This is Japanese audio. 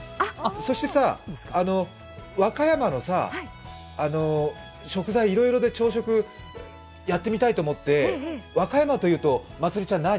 そしてさ、和歌山のさ、食材いろいろで朝食やってみたいと思って和歌山というと、まつりちゃん何？